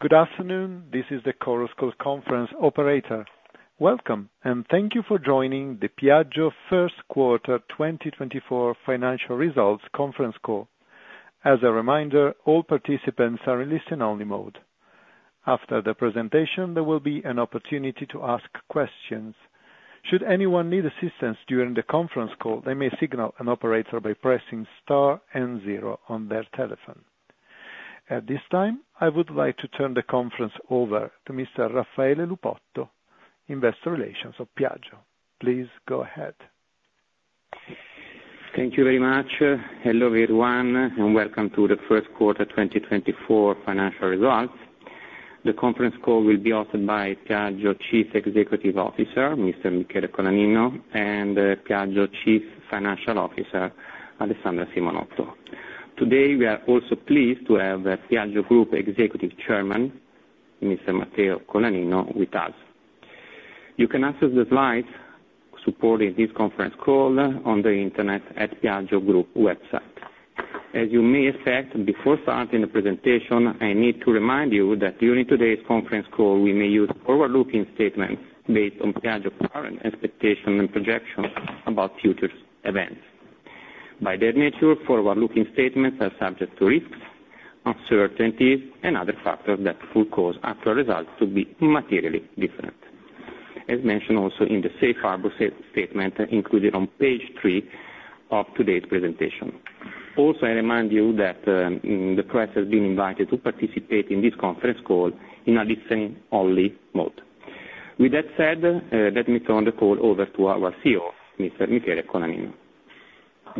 Good afternoon, this is the Chorus Call Conference operator. Welcome, and thank you for joining the Piaggio First Quarter 2024 Financial Results Conference Call. As a reminder, all participants are in listen-only mode. After the presentation, there will be an opportunity to ask questions. Should anyone need assistance during the conference call, they may signal an operator by pressing *N0 on their telephone. At this time, I would like to turn the conference over to Mr. Raffaele Lupotto, Investor Relations of Piaggio. Please go ahead. Thank you very much. Hello everyone, and welcome to the First Quarter 2024 Financial Results. The conference call will be hosted by Piaggio Chief Executive Officer, Mr. Michele Colaninno, and Piaggio Chief Financial Officer, Alessandra Simonotto. Today we are also pleased to have Piaggio Group Executive Chairman, Mr. Matteo Colaninno, with us. You can access the slides supporting this conference call on the internet at Piaggio Group website. As you may expect, before starting the presentation, I need to remind you that during today's conference call we may use forward-looking statements based on Piaggio's current expectations and projections about future events. By their nature, forward-looking statements are subject to risks, uncertainties, and other factors that could cause actual results to be materially different. As mentioned also in the Safe Harbor Statement included on page 3 of today's presentation. Also, I remind you that the press has been invited to participate in this conference call in a listen-only mode. With that said, let me turn the call over to our CEO, Mr. Michele Colaninno.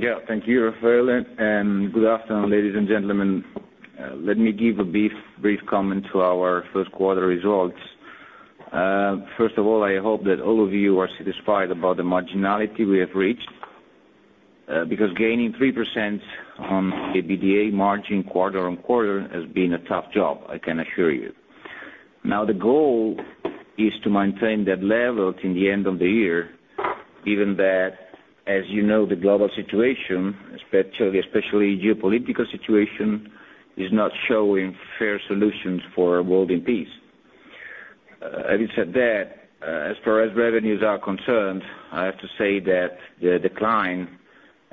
Yeah, thank you, Raffaele. Good afternoon, ladies and gentlemen. Let me give a brief comment to our First Quarter results. First of all, I hope that all of you are satisfied about the marginality we have reached, because gaining 3% on the EBITDA margin quarter on quarter has been a tough job, I can assure you. Now, the goal is to maintain that level till the end of the year, even though, as you know, the global situation, especially the geopolitical situation, is not showing fair solutions for a world in peace. Having said that, as far as revenues are concerned, I have to say that the decline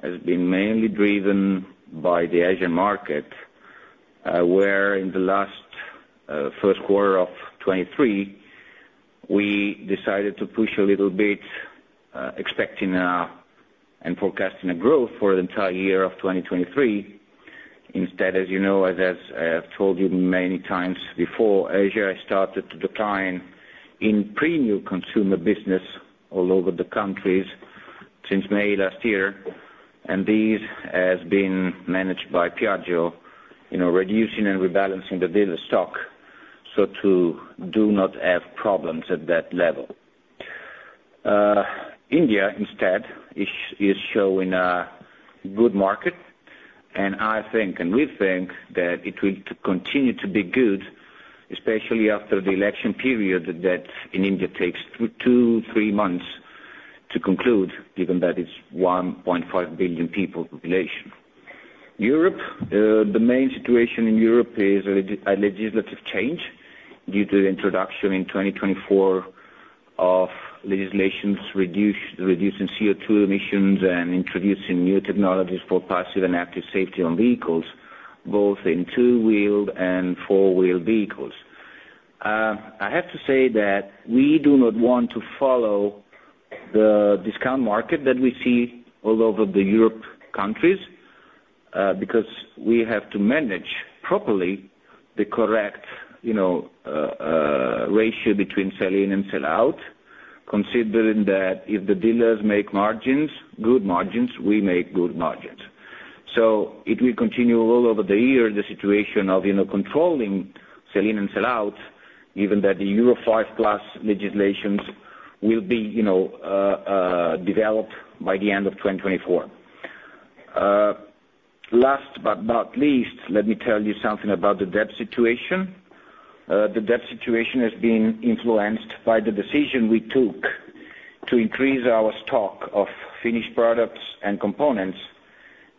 has been mainly driven by the Asian market, where in the first quarter of 2023 we decided to push a little bit expecting and forecasting a growth for the entire year of 2023. Instead, as you know, as I have told you many times before, Asia has started to decline in premium consumer business all over the countries since May last year, and this has been managed by Piaggio, reducing and rebalancing the dealer stock so to do not have problems at that level. India, instead, is showing a good market, and I think, and we think, that it will continue to be good, especially after the election period that in India takes two, three months to conclude, given that it's 1.5 billion people population. Europe, the main situation in Europe is a legislative change due to the introduction in 2024 of legislations reducing CO2 emissions and introducing new technologies for passive and active safety on vehicles, both in two-wheeled and four-wheeled vehicles. I have to say that we do not want to follow the discount market that we see all over the European countries, because we have to manage properly the correct ratio between sell-in and sell-out, considering that if the dealers make margins, good margins, we make good margins. So it will continue all over the year, the situation of controlling sell-in and sell-out, given that the Euro 5+ legislation will be developed by the end of 2024. Last but not least, let me tell you something about the debt situation. The debt situation has been influenced by the decision we took to increase our stock of finished products and components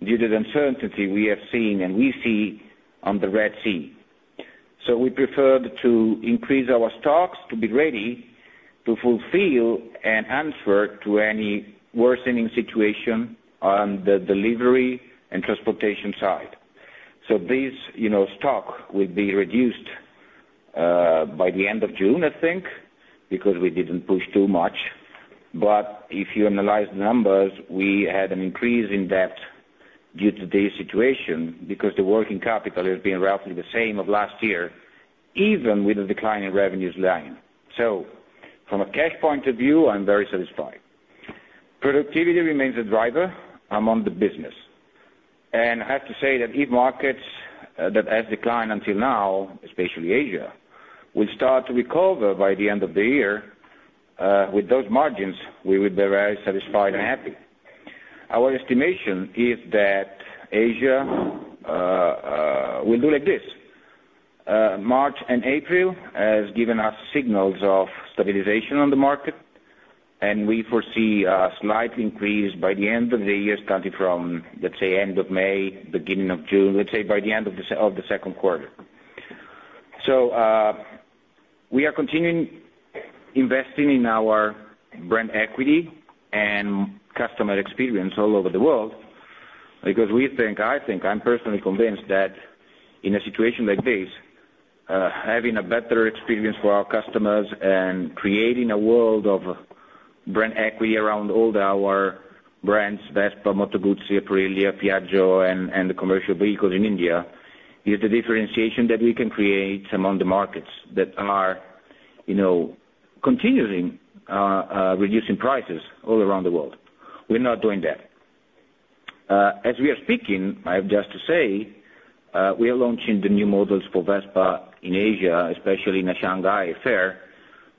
due to the uncertainty we have seen and we see on the Red Sea. So we preferred to increase our stocks to be ready to fulfill and answer to any worsening situation on the delivery and transportation side. So this stock will be reduced by the end of June, I think, because we didn't push too much. But if you analyze the numbers, we had an increase in debt due to this situation, because the working capital has been roughly the same as last year, even with a decline in revenues line. So from a cash point of view, I'm very satisfied. Productivity remains a driver among the business. And I have to say that if markets that have declined until now, especially Asia, will start to recover by the end of the year with those margins, we will be very satisfied and happy. Our estimation is that Asia will do like this. March and April have given us signals of stabilization on the market, and we foresee a slight increase by the end of the year, starting from, let's say, end of May, beginning of June, let's say by the end of the second quarter. So we are continuing investing in our Brand Equity and customer experience all over the world, because we think, I think, I'm personally convinced that in a situation like this, having a better experience for our customers and creating a world of brand equity around all our brands, Vespa, Moto Guzzi, Aprilia, Piaggio, and the Commercial Vehicles in India is the differentiation that we can create among the markets that are continually reducing prices all around the world. We're not doing that. As we are speaking, I have just to say, we are launching the new models for Vespa in Asia, especially in the Shanghai Fair.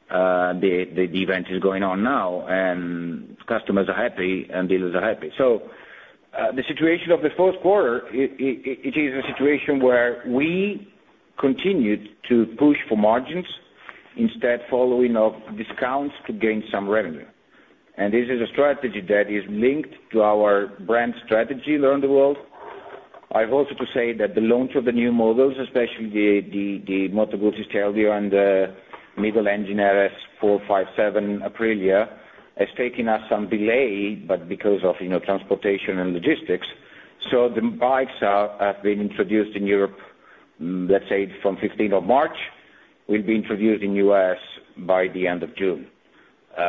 The event is going on now, and customers are happy, and dealers are happy. So the situation of the first quarter, it is a situation where we continued to push for margins instead following of discounts to gain some revenue. And this is a strategy that is linked to our brand strategy around the world. I have also to say that the launch of the new models, especially the Moto Guzzi Stelvio and the Aprilia RS 457, has taken us some delay, but because of transportation and logistics. So the bikes have been introduced in Europe, let's say from 15th of March. They will be introduced in the U.S. by the end of June,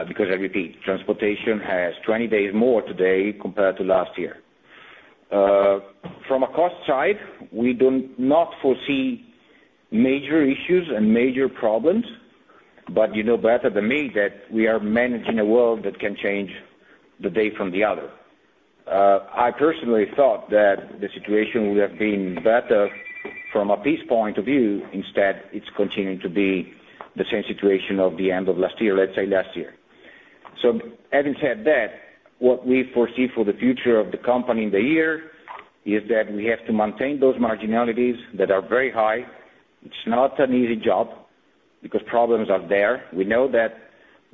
because I repeat, transportation has 20 days more today compared to last year. From a cost side, we do not foresee major issues and major problems, but you know better than me that we are managing a world that can change the day from the other. I personally thought that the situation would have been better from a peace point of view. Instead, it's continuing to be the same situation of the end of last year, let's say last year. So having said that, what we foresee for the future of the company in the year is that we have to maintain those marginalities that are very high. It's not an easy job, because problems are there. We know that,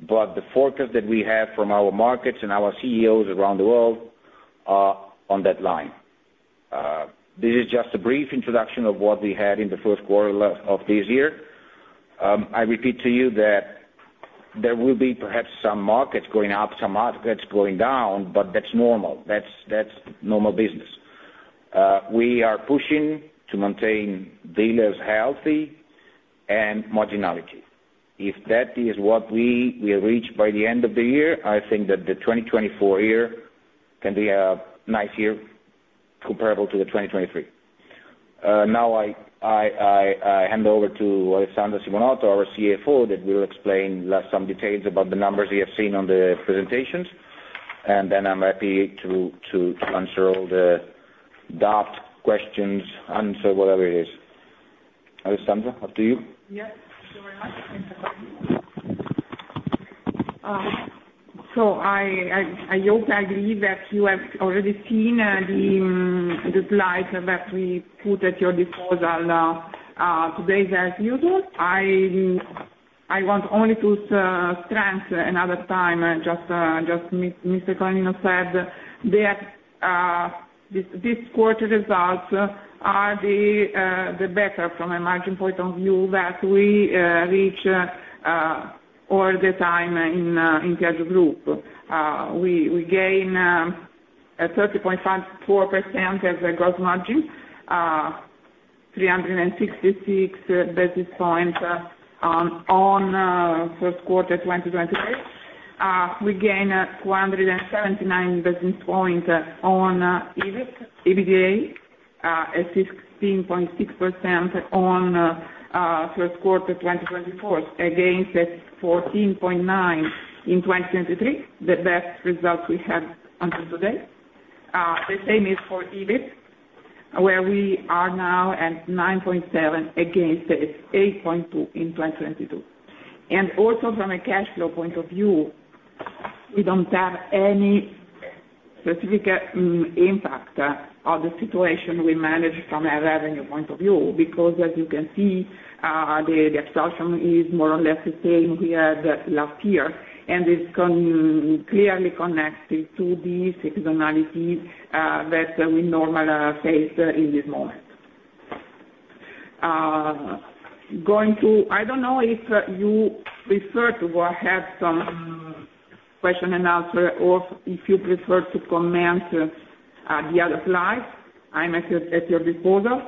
but the forecast that we have from our markets and our CEOs around the world are on that line. This is just a brief introduction of what we had in the first quarter of this year. I repeat to you that there will be perhaps some markets going up, some markets going down, but that's normal. That's normal business. We are pushing to maintain dealers healthy and marginality. If that is what we have reached by the end of the year, I think that the 2024 year can be a nice year comparable to the 2023. Now I hand over to Alessandra Simonotto, our CFO, that will explain some details about the numbers we have seen on the presentations, and then I'm happy to answer all the doubts, questions, answer, whatever it is. Alessandra, up to you. Yes, thank you very much. Thanks for coming. So I hope I agree that you have already seen the slides that we put at your disposal today as usual. I want only to strengthen another time, just as Mr. Colaninno said, that this quarter results are the better from a margin point of view that we reached all the time in Piaggio Group. We gained 30.4% as a gross margin, 366 basis points on first quarter 2023. We gained 279 basis points on EBITDA, a 16.6% on first quarter 2024, against a 14.9% in 2023, the best results we had until today. The same is for EBIT, where we are now at 9.7% against an 8.2% in 2022. And also from a cash flow point of view, we don't have any specific impact on the situation we manage from a revenue point of view, because as you can see, the absorption is more or less the same we had last year, and it's clearly connected to these seasonalities that we normally face in this moment. I don't know if you prefer to have some question and answer, or if you prefer to comment the other slides. I'm at your disposal.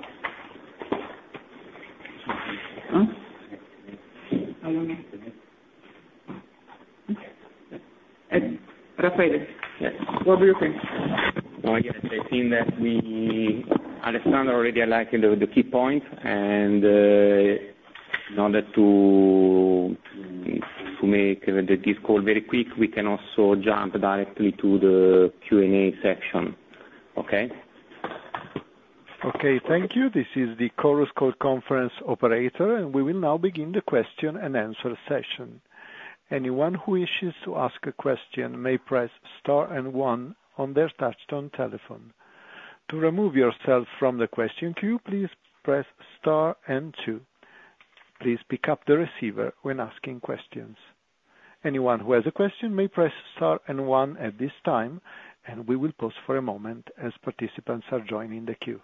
Raffaele, what do you think? Yes, I think that Alessandra already highlighted the key points, and in order to make this call very quick, we can also jump directly to the Q&A section, okay? Okay, thank you. This is the Chorus Call conference operator, and we will now begin the question and answer session. Anyone who wishes to ask a question may press star and one on their touch-tone telephone. To remove yourself from the question queue, please press star and two. Please pick up the receiver when asking questions. Anyone who has a question may press star and one at this time, and we will pause for a moment as participants are joining the queue.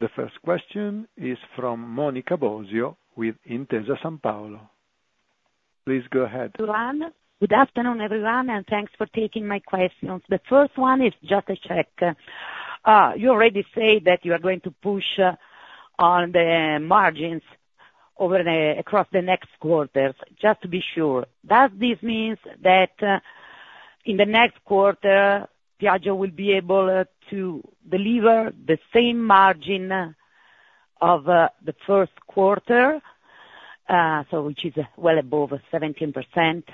The first question is from Monica Bosio with Intesa Sanpaolo. Please go ahead. Good afternoon, everyone, and thanks for taking my questions. The first one is just a check. You already said that you are going to push on the margins across the next quarters. Just to be sure, does this mean that in the next quarter Piaggio will be able to deliver the same margin of the first quarter, which is well above 17%?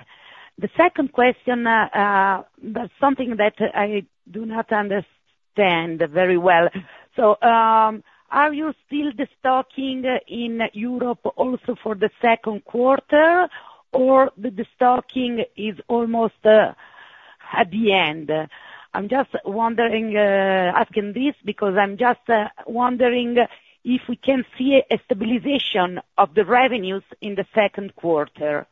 The second question, there's something that I do not understand very well. So are you still distocking in Europe also for the second quarter, or the destocking is almost at the end? I'm just asking this because I'm just wondering if we can see a stabilization of the revenues in the second quarter.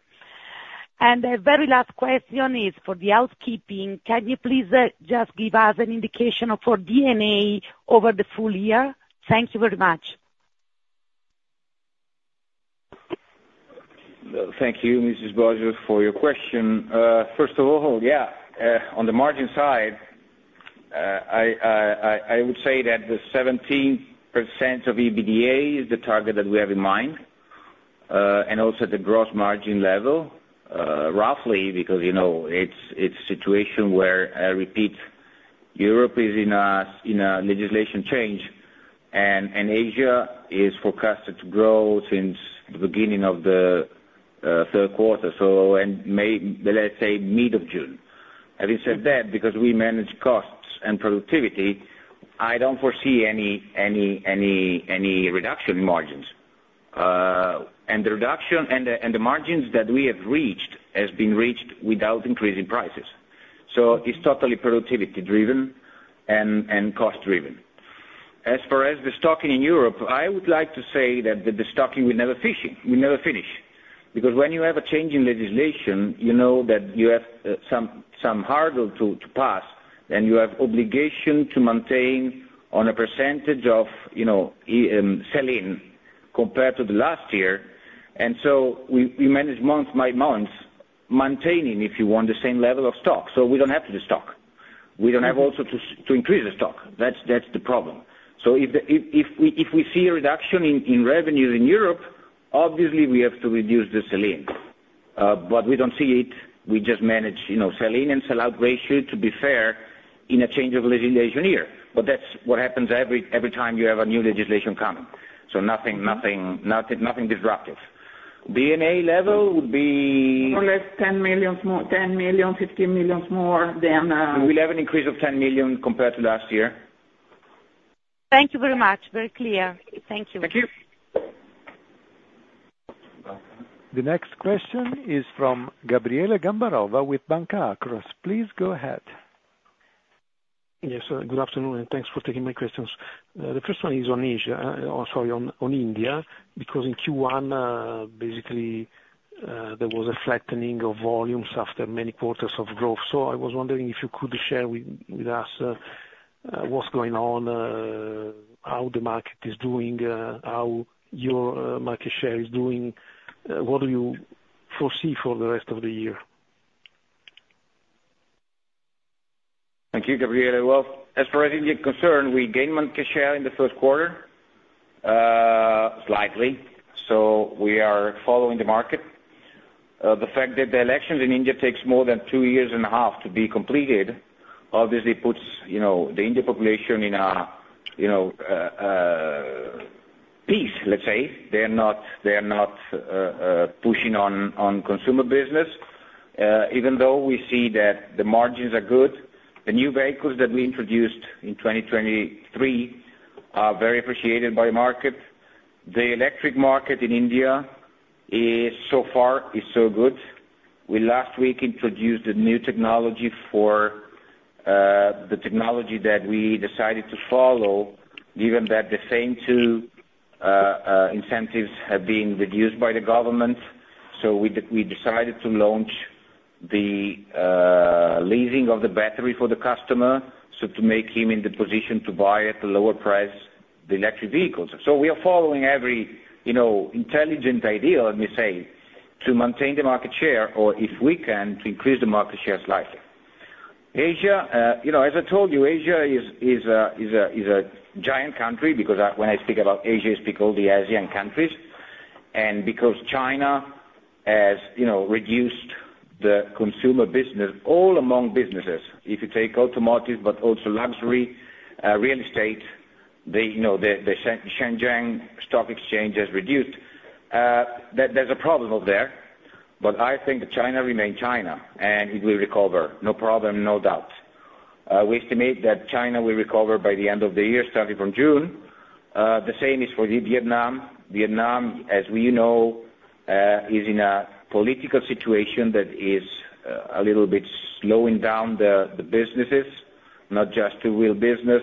And the very last question is for the housekeeping. Can you please just give us an indication for D&A over the full year? Thank you very much. Thank you, Mrs. Bosio, for your question. First of all, yeah, on the margin side, I would say that the 17% of EBITDA is the target that we have in mind, and also at the gross margin level, roughly, because it's a situation where, I repeat, Europe is in a legislation change, and Asia is forecasted to grow since the beginning of the third quarter, so let's say mid of June. Having said that, because we manage costs and productivity, I don't foresee any reduction in margins. And the reduction and the margins that we have reached have been reached without increasing prices. So it's totally productivity-driven and cost-driven. As far as the stocking in Europe, I would like to say that the stocking will never finish, because when you have a change in legislation, you know that you have some hurdle to pass, and you have obligation to maintain on a percentage of sell-in compared to the last year. And so we manage month by month maintaining, if you want, the same level of stock, so we don't have to destock. We don't have also to increase the stock. That's the problem. So if we see a reduction in revenues in Europe, obviously we have to reduce the sell-in, but we don't see it. We just manage sell-in and sell-out ratio, to be fair, in a change of legislation year. But that's what happens every time you have a new legislation coming, so nothing disruptive. D&A level would be. More or less 10 million, 15 million more than. We will have an increase of 10 million compared to last year. Thank you very much. Very clear. Thank you. Thank you. The next question is from Gabriele Gambarova with Banca Akros. Please go ahead. Yes, good afternoon, and thanks for taking my questions. The first one is on Asia, sorry, on India, because in Q1, basically, there was a flattening of volumes after many quarters of growth. So I was wondering if you could share with us what's going on, how the market is doing, how your market share is doing. What do you foresee for the rest of the year? Thank you, Gabriele. Well, as far as India is concerned, we gained market share in the first quarter, slightly, so we are following the market. The fact that the elections in India take more than two years and a half to be completed, obviously puts the India population in a peace, let's say. They are not pushing on consumer business, even though we see that the margins are good. The new vehicles that we introduced in 2023 are very appreciated by the market. The electric market in India so far is so good. We last week introduced the new technology for the technology that we decided to follow, given that the FAME II have been reduced by the government. So we decided to launch the leasing of the battery for the customer, so to make him in the position to buy at the lower price the electric vehicles. So we are following every intelligent idea, let me say, to maintain the market share, or if we can, to increase the market share slightly. Asia, as I told you, Asia is a giant country, because when I speak about Asia, I speak of all the Asian countries, and because China has reduced the consumer business all among businesses. If you take automotive, but also luxury real estate, the Shenzhen Stock Exchange has reduced. There's a problem over there, but I think that China remains China, and it will recover. No problem, no doubt. We estimate that China will recover by the end of the year, starting from June. The same is for Vietnam. Vietnam, as we know, is in a political situation that is a little bit slowing down the businesses, not just the real business.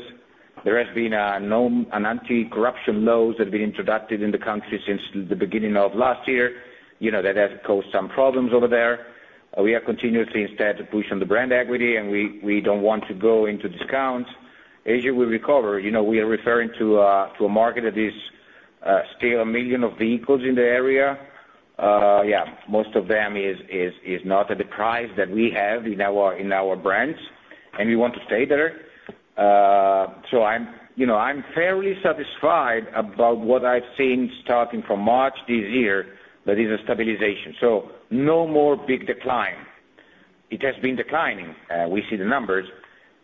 There have been anti-corruption laws that have been introduced in the country since the beginning of last year, that have caused some problems over there. We are continuously, instead, pushing on the brand equity, and we don't want to go into discounts. Asia, we recover. We are referring to a market that is still 1 million vehicles in the area. Yeah, most of them is not at the price that we have in our brands, and we want to stay there. So I'm fairly satisfied about what I've seen starting from March this year, that is a stabilization. So no more big decline. It has been declining. We see the numbers.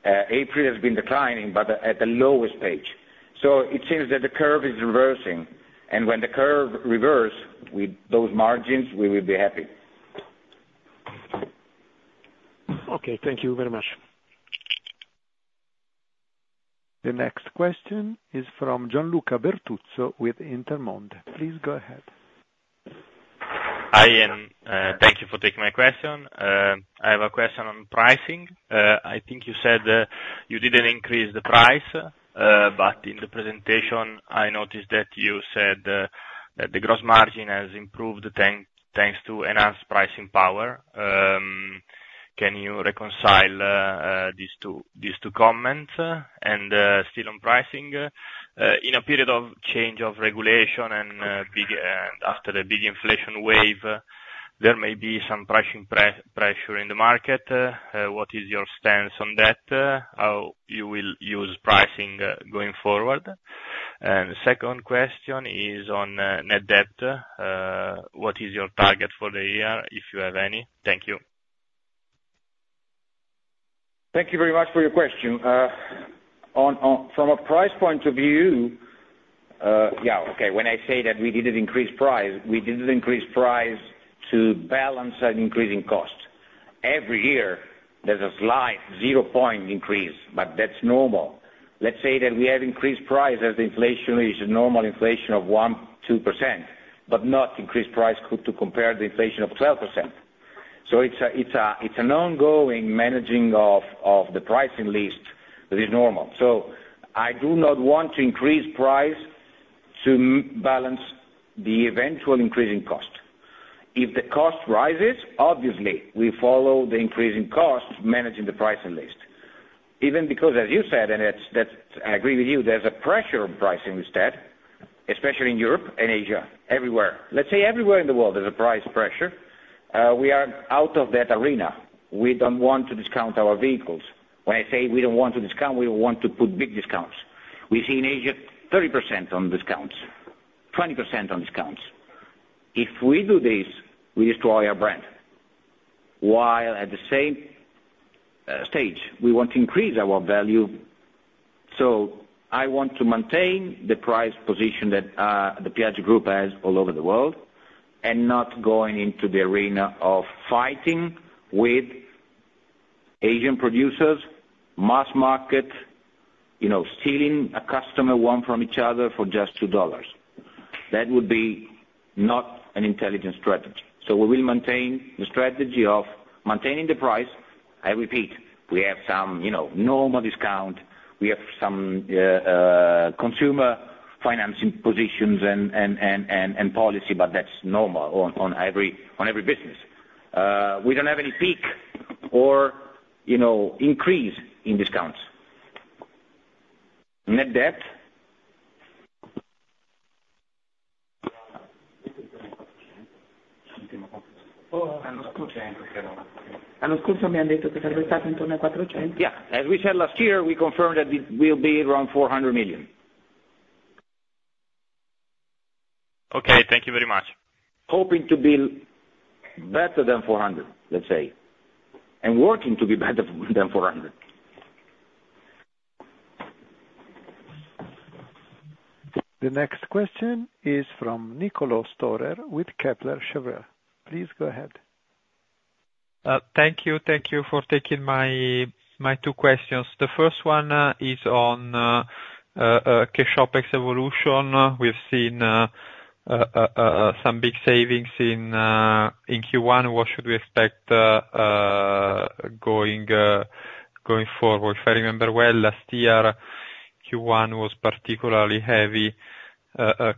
April has been declining, but at the lowest pace. So it seems that the curve is reversing, and when the curve reverse with those margins, we will be happy. Okay, thank you very much. The next question is from Gianluca Bertuzzo with Intermonte. Please go ahead. Hi, and thank you for taking my question. I have a question on pricing. I think you said you didn't increase the price, but in the presentation, I noticed that you said that the gross margin has improved thanks to enhanced pricing power. Can you reconcile these two comments? And still on pricing, in a period of change of regulation and after the big inflation wave, there may be some pricing pressure in the market. What is your stance on that? How you will use pricing going forward? And the second question is on net debt. What is your target for the year, if you have any? Thank you. Thank you very much for your question. From a price point of view, yeah, okay, when I say that we didn't increase price, we didn't increase price to balance an increasing cost. Every year, there's a slight zero-point increase, but that's normal. Let's say that we have increased price as the inflation is a normal inflation of 1%, 2%, but not increased price to compare the inflation of 12%. So it's an ongoing managing of the pricing list that is normal. So I do not want to increase price to balance the eventual increasing cost. If the cost rises, obviously, we follow the increasing cost managing the pricing list, even because, as you said, and I agree with you, there's a pressure on pricing instead, especially in Europe and Asia, everywhere. Let's say everywhere in the world there's a price pressure. We are out of that arena. We don't want to discount our vehicles. When I say we don't want to discount, we don't want to put big discounts. We see in Asia 30% on discounts, 20% on discounts. If we do this, we destroy our brand, while at the same stage, we want to increase our value. So I want to maintain the price position that the Piaggio Group has all over the world, and not going into the arena of fighting with Asian producers, mass market, stealing a customer one from each other for just $2. That would be not an intelligent strategy. So we will maintain the strategy of maintaining the price. I repeat, we have some normal discount. We have some consumer financing positions and policy, but that's normal on every business. We don't have any peak or increase in discounts. Net debt. Allora, mi han detto che sarebbe stato intorno ai 400. Yeah, as we said last year, we confirmed that it will be around 400 million. Okay, thank you very much. Hoping to be better than 400, let's say, and working to be better than 400. The next question is from Niccolò Storer with Kepler Cheuvreux. Please go ahead. Thank you. Thank you for taking my two questions. The first one is on cash OpEx evolution. We've seen some big savings in Q1. What should we expect going forward? If I remember well, last year, Q1 was particularly heavy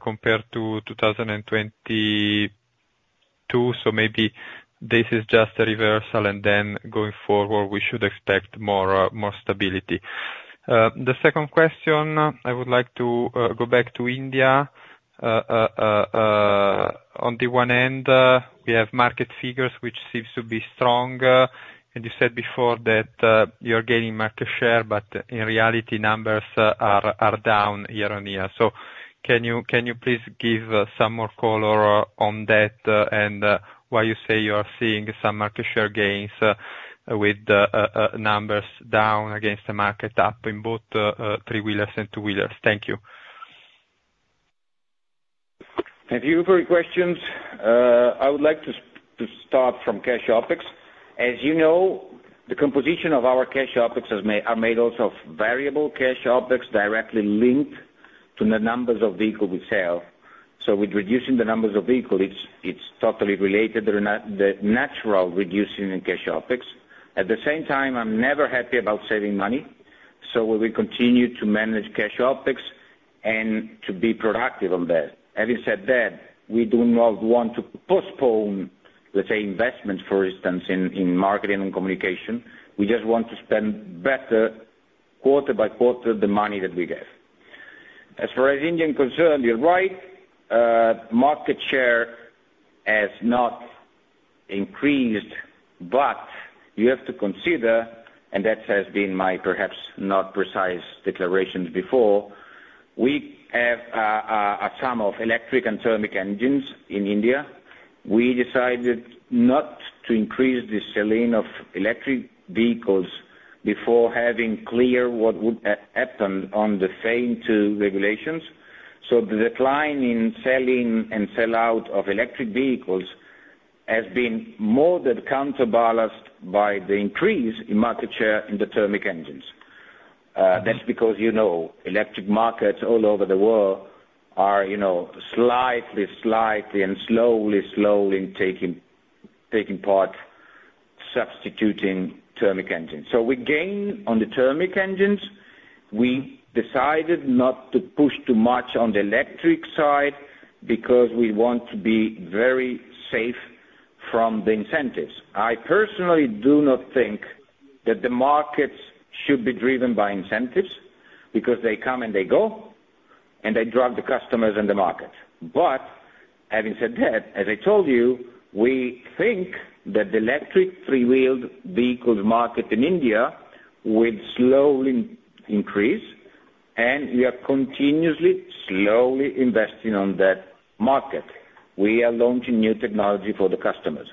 compared to 2022, so maybe this is just a reversal, and then going forward, we should expect more stability. The second question, I would like to go back to India. On the one end, we have market figures, which seems to be strong, and you said before that you're gaining market share, but in reality, numbers are down year-on-year. So can you please give some more color on that, and why you say you are seeing some market share gains with numbers down against the market up in both three-wheelers and two-wheelers? Thank you. Thank you for your questions. I would like to start from Cash OpEx. As you know, the composition of our Cash OpEx is made also of variable Cash OpEx directly linked to the numbers of vehicles we sell. So with reducing the numbers of vehicles, it's totally related. The natural reducing in Cash OpEx. At the same time, I'm never happy about saving money, so we will continue to manage Cash OpEx and to be productive on that. Having said that, we do not want to postpone, let's say, investments, for instance, in marketing and communication. We just want to spend better quarter by quarter the money that we get. As far as India is concerned, you're right. Market share has not increased, but you have to consider, and that has been my perhaps not precise declarations before, we have a sum of electric and thermal engines in India. We decided not to increase the sell-in of electric vehicles before having clear what would happen on the same two regulations. So the decline in sell-in and sell-out of electric vehicles has been more than counterbalanced by the increase in market share in the thermic engines. That's because electric markets all over the world are slightly, slightly, and slowly, slowly taking part substituting thermic engines. So we gain on the thermic engines. We decided not to push too much on the electric side because we want to be very safe from the incentives. I personally do not think that the markets should be driven by incentives because they come and they go, and they drive the customers and the market. But having said that, as I told you, we think that the electric three-wheeled vehicles market in India would slowly increase, and we are continuously, slowly investing on that market. We are launching new technology for the customers.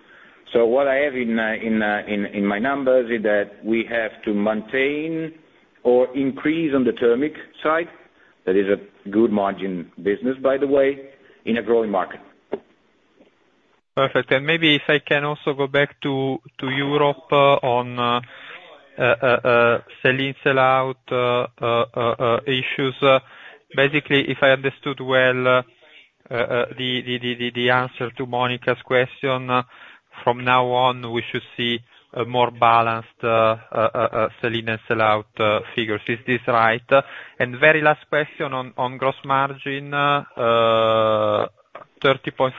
So what I have in my numbers is that we have to maintain or increase on the thermic side. That is a good margin business, by the way, in a growing market. Perfect. And maybe if I can also go back to Europe on sell-in, sell-out issues. Basically, if I understood well the answer to Monica's question, from now on, we should see more balanced sell-in and sell-out figures. Is this right? And very last question on gross margin, 30.4%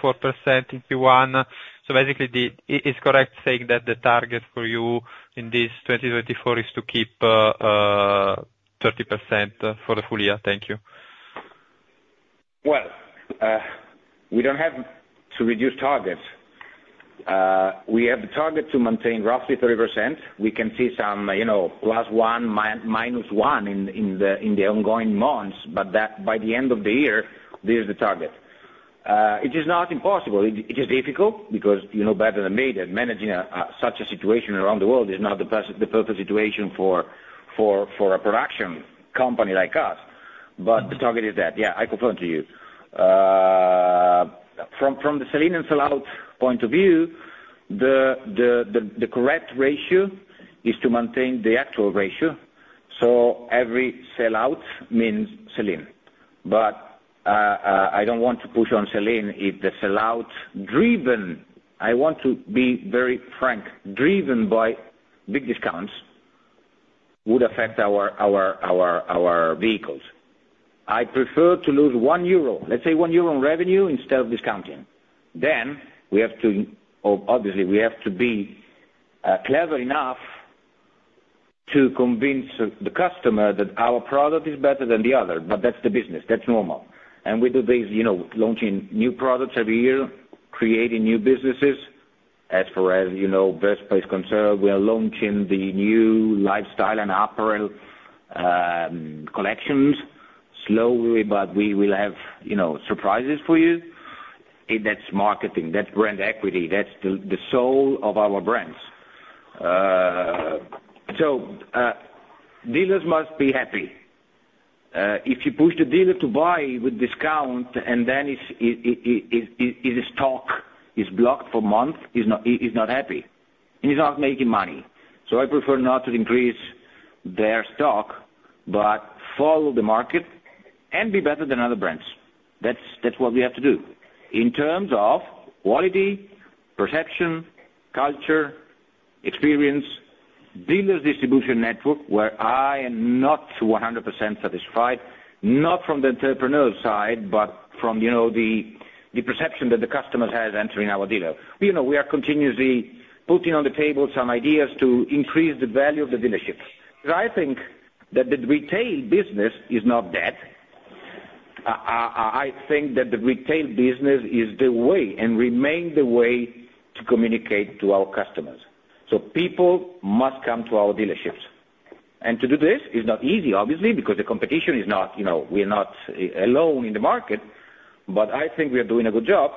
in Q1. So basically, it's correct saying that the target for you in this 2024 is to keep 30% for the full year. Thank you. Well, we don't have to reduce targets. We have the target to maintain roughly 30%. We can see some +1, -1 in the ongoing months, but by the end of the year, this is the target. It is not impossible. It is difficult because you know better than me that managing such a situation around the world is not the perfect situation for a production company like us, but the target is that. Yeah, I confirm to you. From the sell-in and sell-out point of view, the correct ratio is to maintain the actual ratio. So every sell-out means sell-in, but I don't want to push on sell-in if the sell-out driven I want to be very frank, driven by big discounts would affect our vehicles. I prefer to lose 1 euro, let's say 1 euro in revenue instead of discounting. Then we have to obviously, we have to be clever enough to convince the customer that our product is better than the other, but that's the business. That's normal. And we do this, launching new products every year, creating new businesses. As far as best practice concerned, we are launching the new lifestyle and apparel collections, slowly, but we will have surprises for you. That's marketing. That's Brand Equity. That's the soul of our brands. So dealers must be happy. If you push the dealer to buy with discount, and then his stock is blocked for a month, he's not happy, and he's not making money. So I prefer not to increase their stock, but follow the market and be better than other brands. That's what we have to do in terms of quality, perception, culture, experience, dealer distribution network, where I am not 100% satisfied, not from the entrepreneur side, but from the perception that the customer has entering our dealer. We are continuously putting on the table some ideas to increase the value of the dealerships. I think that the retail business is not dead. I think that the retail business is the way and remains the way to communicate to our customers. So people must come to our dealerships. To do this is not easy, obviously, because the competition is not, we're not alone in the market, but I think we are doing a good job.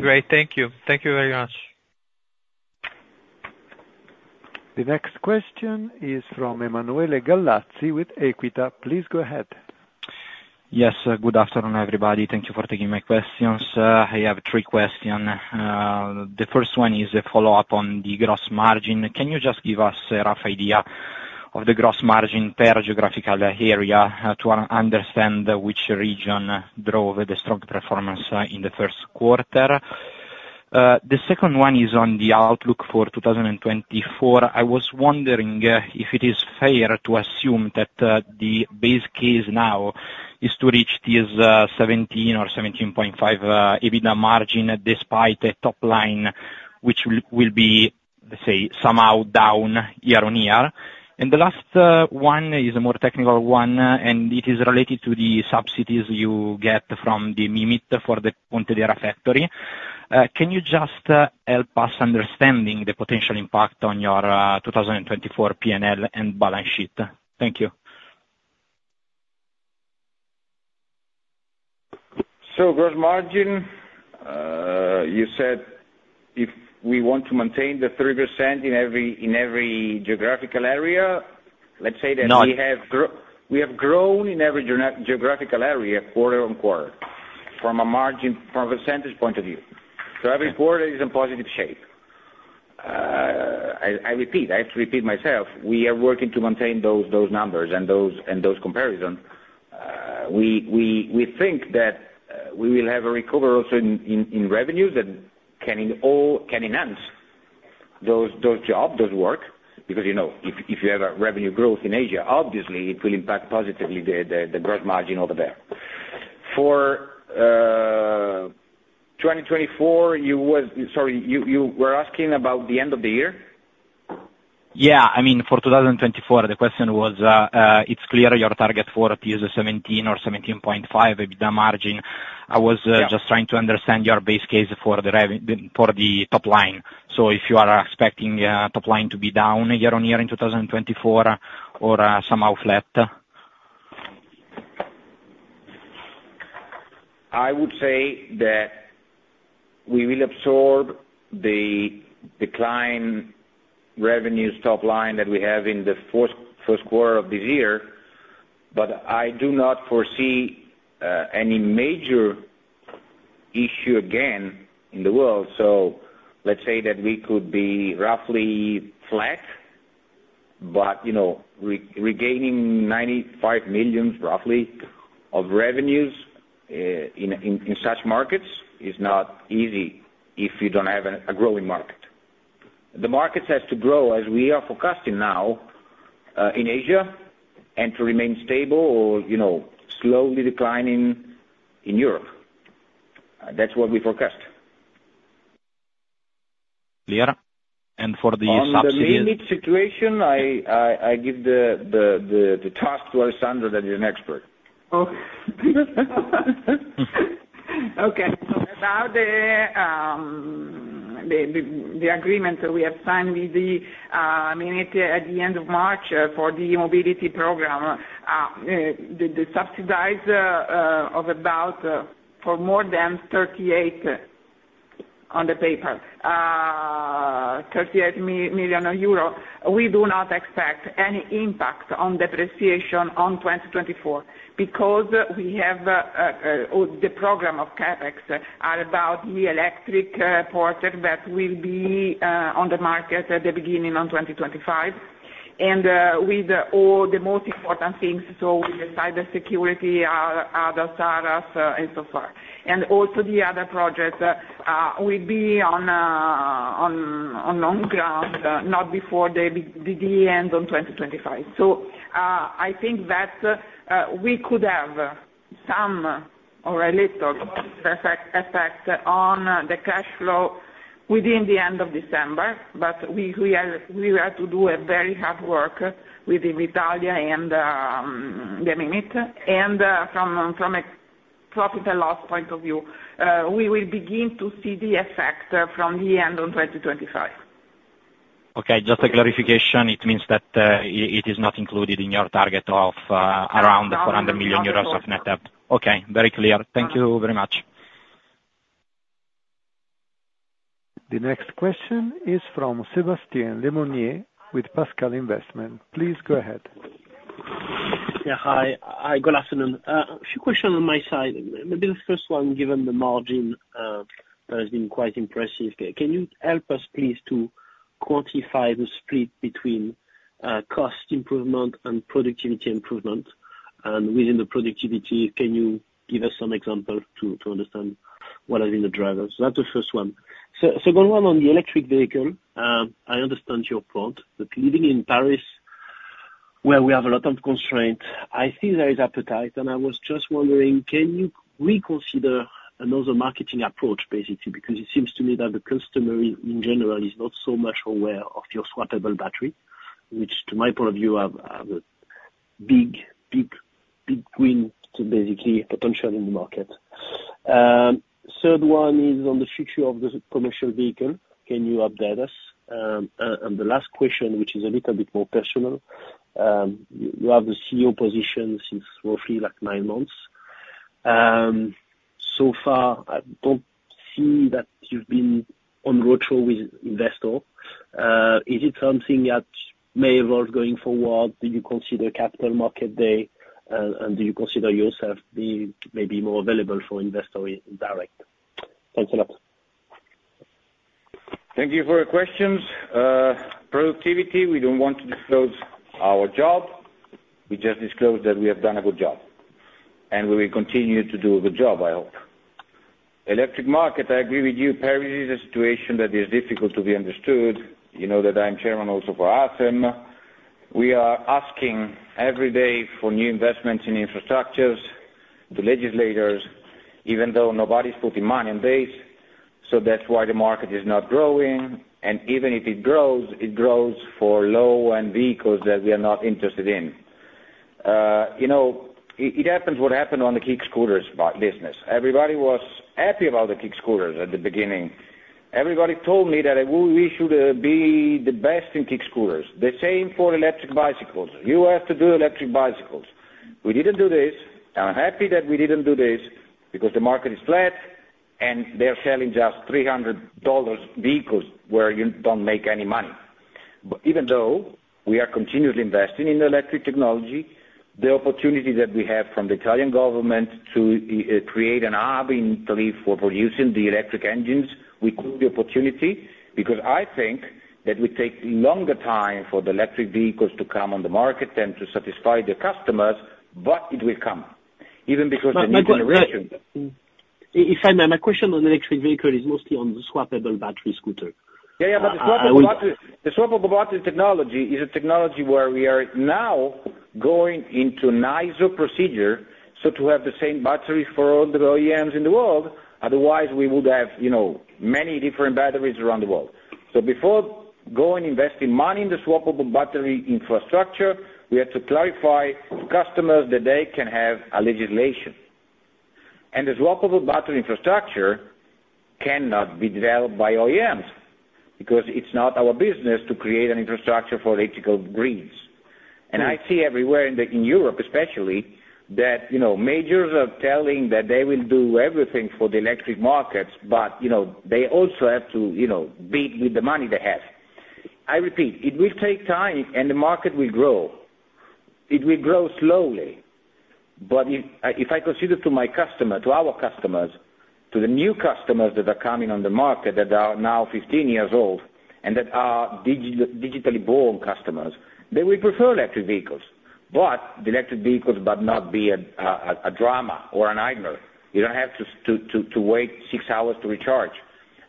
Great. Thank you. Thank you very much. The next question is from Emanuele Gallazzi with Equita. Please go ahead. Yes. Good afternoon, everybody. Thank you for taking my questions. I have three questions. The first one is a follow-up on the gross margin. Can you just give us a rough idea of the gross margin per geographical area to understand which region drove the strong performance in the first quarter? The second one is on the outlook for 2024. I was wondering if it is fair to assume that the base case now is to reach this 17 or 17.5 EBITDA margin despite a top line, which will be, let's say, somehow down year-on-year. And the last one is a more technical one, and it is related to the subsidies you get from the MIMIT for the Pontedera factory. Can you just help us understand the potential impact on your 2024 P&L and balance sheet? Thank you. So gross margin, you said if we want to maintain the 30% in every geographical area, let's say that we have grown in every geographical area quarter-on-quarter from a percentage point of view. So every quarter is in positive shape. I repeat. I have to repeat myself. We are working to maintain those numbers and those comparisons. We think that we will have a recovery also in revenues that can enhance those jobs, those work, because if you have revenue growth in Asia, obviously, it will impact positively the gross margin over there. For 2024, you were sorry, you were asking about the end of the year? Yeah. I mean, for 2024, the question was, it's clear your target for it is 17%-17.5% EBITDA margin. I was just trying to understand your base case for the top line. So if you are expecting top line to be down year-on-year in 2024 or somehow flat. I would say that we will absorb the decline revenues top line that we have in the first quarter of this year, but I do not foresee any major issue again in the world. So let's say that we could be roughly flat, but regaining 95 million, roughly, of revenues in such markets is not easy if you don't have a growing market. The markets have to grow as we are forecasting now in Asia and to remain stable or slowly declining in Europe. That's what we forecast. Liara, and for the subsidies. On the MIMIT situation, I give the task to Alessandra that is an expert. Okay. Okay. So about the agreement that we have signed with the MIMIT at the end of March for the mobility program, the subsidies of about for more than 38 on the paper, 38 million euro, we do not expect any impact on depreciation on 2024 because we have the program of CapEx are about the electric Porter that will be on the market at the beginning of 2025 and with all the most important things. So with the cybersecurity, other ADAS, and so forth, and also the other projects, we'll be on long run, not before the end of 2025. So I think that we could have some or a little effect on the cash flow within the end of December, but we have to do very hard work with Italy and the MIMIT. From a profit and loss point of view, we will begin to see the effect from the end of 2025. Okay. Just a clarification, it means that it is not included in your target of around the 400 million euros of net capex. Absolutely. Okay. Very clear. Thank you very much. The next question is from Sébastien Lemonnier with Pascal Investment. Please go ahead. Yeah. Hi. Good afternoon. A few questions on my side. Maybe the first one, given the margin that has been quite impressive, can you help us, please, to quantify the split between cost improvement and productivity improvement? And within the productivity, can you give us some examples to understand what has been the drivers? That's the first one. Second one on the electric vehicle, I understand your point, but living in Paris, where we have a lot of constraints, I think there is appetite. And I was just wondering, can you reconsider another marketing approach, basically, because it seems to me that the customer, in general, is not so much aware of your swappable battery, which, to my point of view, have a big, big, big win to, basically, potentially in the market. Third one is on the future of the commercial vehicle. Can you update us? The last question, which is a little bit more personal, you have the CEO position since roughly 9 months. So far, I don't see that you've been on roadshow with investors. Is it something that may evolve going forward? Do you consider capital market day? And do you consider yourself maybe more available for investor direct? Thanks a lot. Thank you for your questions. Productivity, we don't want to disclose our job. We just disclose that we have done a good job, and we will continue to do a good job, I hope. Electric market, I agree with you. Paris is a situation that is difficult to be understood. You know that I'm chairman also for ACEM. We are asking every day for new investments in infrastructures to legislators, even though nobody's putting money on this. So that's why the market is not growing. And even if it grows, it grows for low-end vehicles that we are not interested in. It happens what happened on the kick scooters business. Everybody was happy about the kick scooters at the beginning. Everybody told me that we should be the best in kick scooters. The same for electric bicycles. You have to do electric bicycles. We didn't do this. I'm happy that we didn't do this because the market is flat, and they are selling just $300 vehicles where you don't make any money. But even though we are continuously investing in electric technology, the opportunity that we have from the Italian government to create a hub in Italy for producing the electric engines, we could be opportunity because I think that we take longer time for the electric vehicles to come on the market than to satisfy the customers, but it will come even because the new generation. My question, if I may, my question on electric vehicle is mostly on the swappable battery scooter. Yeah, yeah. But the swappable battery technology is a technology where we are now going into ISO procedure so to have the same battery for all the OEMs in the world. Otherwise, we would have many different batteries around the world. So before going and investing money in the swappable battery infrastructure, we have to clarify to customers that they can have a legislation. And the swappable battery infrastructure cannot be developed by OEMs because it's not our business to create an infrastructure for electrical grids. And I see everywhere in Europe, especially, that majors are telling that they will do everything for the electric markets, but they also have to bid with the money they have. I repeat, it will take time, and the market will grow. It will grow slowly. But if I consider to my customer, to our customers, to the new customers that are coming on the market that are now 15 years old and that are digitally born customers, they will prefer electric vehicles, but the electric vehicles but not be a drama or a nightmare. You don't have to wait six hours to recharge.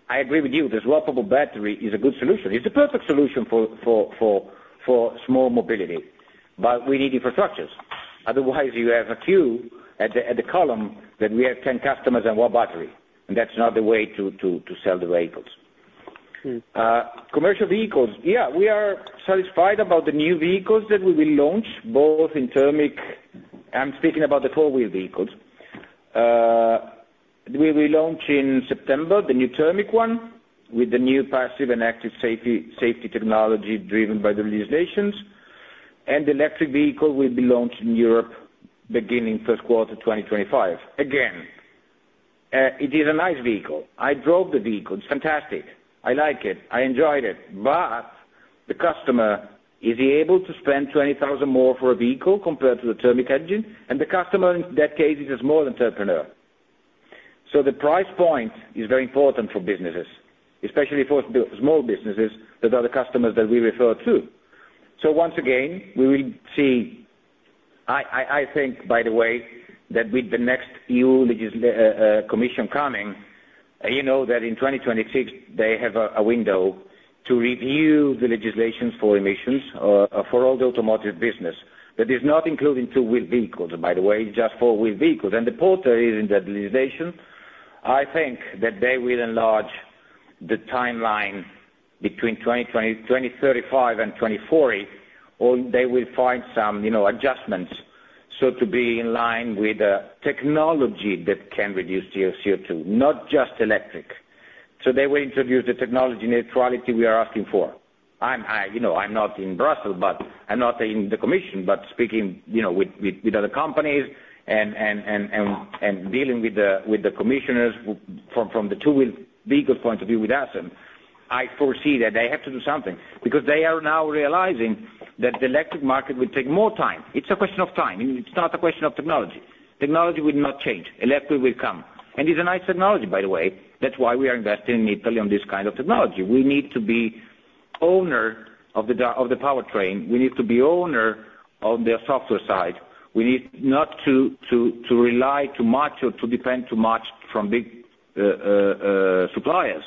I agree with you. The swappable battery is a good solution. It's the perfect solution for small mobility, but we need infrastructures. Otherwise, you have a queue at the column that we have 10 customers and one battery, and that's not the way to sell the vehicles. Commercial vehicles, yeah, we are satisfied about the new vehicles that we will launch, both in thermic. I'm speaking about the four-wheel vehicles. We will launch in September the new thermic one with the new passive and active safety technology driven by the legislations. The electric vehicle will be launched in Europe beginning first quarter 2025. Again, it is a nice vehicle. I drove the vehicle. It's fantastic. I like it. I enjoyed it. But the customer, is he able to spend 20,000 more for a vehicle compared to the thermal engine? And the customer, in that case, is a small entrepreneur. So the price point is very important for businesses, especially for small businesses that are the customers that we refer to. So once again, we will see I think, by the way, that with the next EU Commission coming, that in 2026, they have a window to review the legislations for emissions for all the automotive business that is not including two-wheel vehicles, by the way, just four-wheel vehicles. And the quarter is in that legislation. I think that they will enlarge the timeline between 2035 and 2040, or they will find some adjustments so to be in line with a technology that can reduce CO2, not just electric. So they will introduce the technology neutrality we are asking for. I'm not in Brussels, but I'm not in the Commission, but speaking with other companies and dealing with the commissioners from the two-wheel vehicles point of view with ACEM, I foresee that they have to do something because they are now realizing that the electric market will take more time. It's a question of time. It's not a question of technology. Technology will not change. Electric will come. And it's a nice technology, by the way. That's why we are investing in Italy on this kind of technology. We need to be owner of the powertrain. We need to be owner on the software side. We need not to rely too much or to depend too much from big suppliers.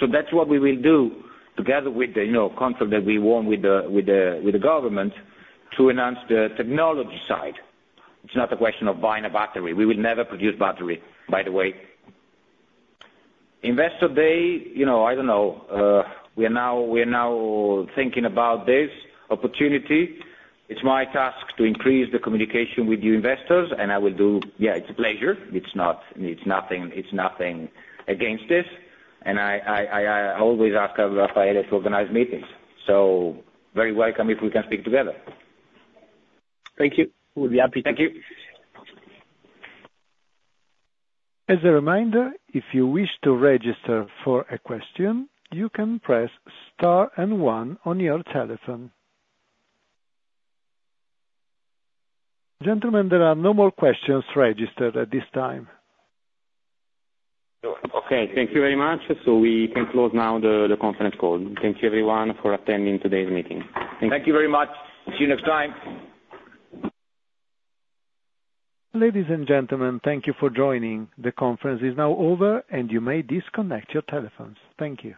So that's what we will do together with the contract that we won with the government to enhance the technology side. It's not a question of buying a battery. We will never produce battery, by the way. Investor day, I don't know. We are now thinking about this opportunity. It's my task to increase the communication with you investors, and I will do yeah, it's a pleasure. It's nothing against this. And I always ask Raffaele to organize meetings. So very welcome if we can speak together. Thank you. We would be happy to. Thank you. As a reminder, if you wish to register for a question, you can press star and one on your telephone. Gentlemen, there are no more questions registered at this time. Okay. Thank you very much. So we can close now the conference call. Thank you, everyone, for attending today's meeting. Thank you. Thank you very much. See you next time. Ladies and gentlemen, thank you for joining. The conference is now over, and you may disconnect your telephones. Thank you.